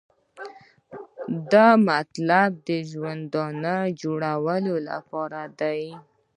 دا د مطلوب ژوندانه جوړولو لپاره ده.